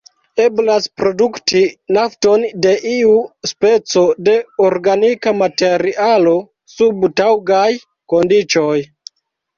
Eblas produkti nafton de iu speco de organika materialo sub taŭgaj kondiĉoj.